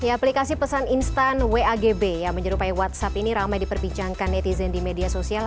aplikasi pesan instan wagb yang menyerupai whatsapp ini ramai diperbincangkan netizen di media sosial